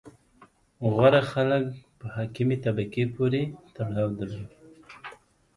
• غوره خلک په حاکمې طبقې پورې تړاو درلود.